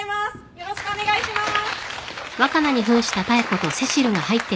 よろしくお願いします。